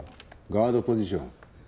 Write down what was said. ガードポジション。